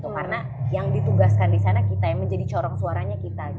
karena yang ditugaskan di sana kita yang menjadi corong suaranya kita